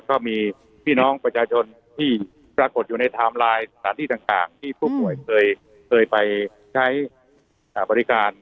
ก็มีพี่น้องประชาชนที่ปรากฏอยู่ในไทม์ไลน์สถานที่ต่างที่ผู้ป่วยเคยไปใช้บริการ